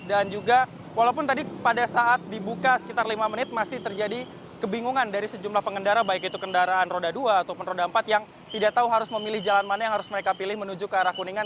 dan juga walaupun tadi pada saat dibuka sekitar lima menit masih terjadi kebingungan dari sejumlah pengendara baik itu kendaraan roda dua ataupun roda empat yang tidak tahu harus memilih jalan mana yang harus mereka pilih menuju ke arah kuningan